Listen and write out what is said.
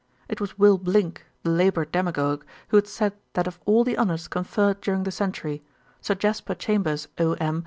It was Will Blink, the Labour demagogue, who had said that of all the honours conferred during the century, Sir Jasper Chambers' O.M.